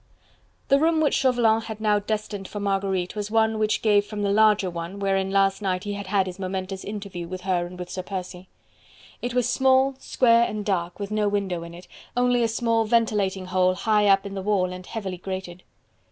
The room which Chauvelin had now destined for Marguerite was one which gave from the larger one, wherein last night he had had his momentous interview with her and with Sir Percy. It was small, square and dark, with no window in it: only a small ventilating hole high up in the wall and heavily grated.